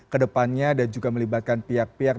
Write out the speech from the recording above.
kedepannya dan juga melibatkan pihak pihak